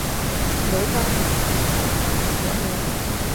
楼邦彦人。